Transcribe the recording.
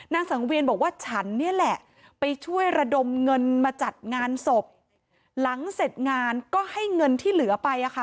นางสังเวียนบอกว่าฉันนี่แหละไปช่วยระดมเงินมาจัดงานศพหลังเสร็จงานก็ให้เงินที่เหลือไปอ่ะค่ะ